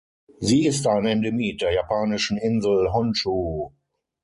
Sie ist ein Endemit der japanischen Insel Honshu.